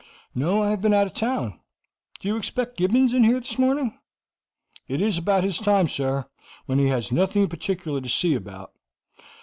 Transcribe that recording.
"No; I have been out of town. Do you expect Gibbons in here this morning?" "It is about his time, sir, when he has nothing in particular to see about.